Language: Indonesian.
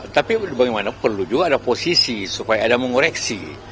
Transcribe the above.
tapi bagaimana perlu juga ada posisi supaya ada mengoreksi